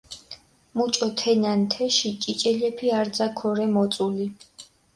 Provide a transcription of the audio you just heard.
მუჭო თენან თეში ჭიჭელეფი არძა ქორე მოწული.